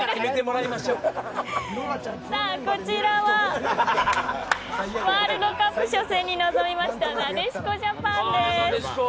こちらはワールドカップ初戦に臨んだ、なでしこジャパンです。